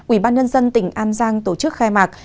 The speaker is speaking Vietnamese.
ubnd tỉnh an giang tổ chức khai mạc